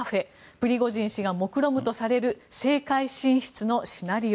プリゴジン氏がもくろむとされる政界進出のシナリオ。